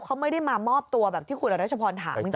เขาไม่ได้มามอบตัวแบบที่คุณอรัชพรถามจริง